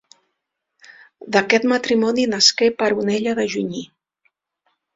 D'aquest matrimoni nasqué Peronella de Joigny.